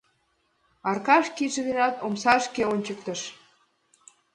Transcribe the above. — Аркаш кидше денат омсашке ончыктыш.